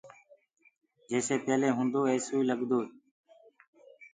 جيسي پيلي هوندو ايسو ئي لگدو